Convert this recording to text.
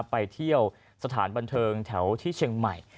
ไปเที่ยวสถานบันเทิงแถวที่เชียงใหม่